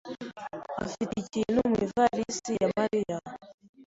afite ikintu mu ivarisi ya Mariya.